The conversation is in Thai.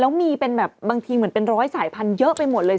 แล้วมีเป็นแบบบางทีเหมือนเป็นร้อยสายพันธุ์เยอะไปหมดเลย